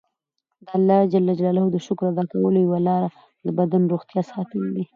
د الله ج د شکر ادا کولو یوه لاره د بدن روغتیا ساتل دي.